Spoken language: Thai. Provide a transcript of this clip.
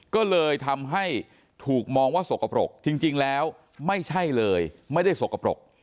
ก็เลยทำให้ถูกมองว่าสกปรกจริงแล้วไม่ใช่เลยไม่ได้สกปรก